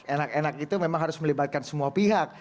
enak enak itu memang harus melibatkan semua pihak